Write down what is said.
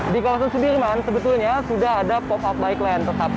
di kawasan sudirman sebetulnya sudah ada pop up bike lane